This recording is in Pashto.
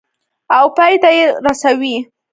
او پای ته یې رسوي.